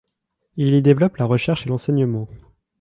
Il y développe la recherche et l'enseignement.